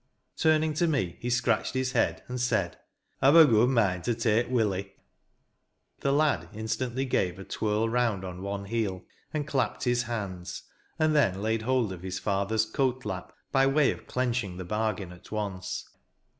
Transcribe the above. Turning to me, he scratched his head, and said: " I've a good mind to take Willie," The lad instantly gave a twirl round on one heel, and clapped his hands, and then laid hold of his father's coat lap, by way of clenching the bargain at once.